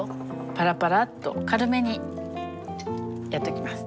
パラパラッと軽めにやっときます。